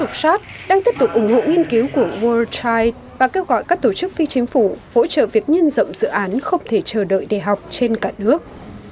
hiện bộ giáo dục shad đang tiếp tục ủng hộ nghiên cứu của world child và kêu gọi các tổ chức phi chính phủ hỗ trợ việc nhân dậm dự án không thể chờ đợi để học